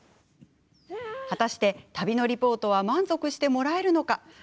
果たして、旅のリポートは満足してもらえるのか？